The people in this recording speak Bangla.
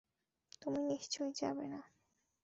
তুমি নিশ্চই যাবেনা।